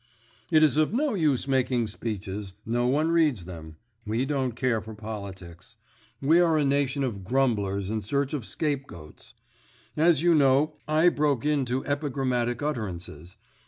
"It is of no use making speeches, no one reads them. We don't care for politics. We are a nation of grumblers in search of scapegoats. As you know, I broke into epigrammatic utterances.